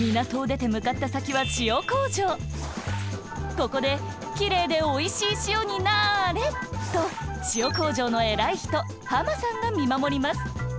ここで「きれいでおいしい塩になれ！」と塩工場のえらい人ハマさんがみまもります。